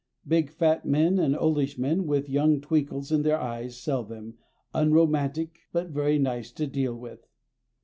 Big, fat men and oldish men with young twinkles in their eyes sell them, unromantic, but very nice to deal with.